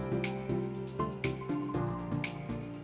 candang wllu di bawah ini juga saya rasa mulan rugi saya kristen